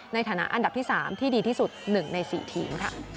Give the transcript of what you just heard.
ในฐานะอันดับที่๓ที่ดีที่สุด๑ใน๔ทีม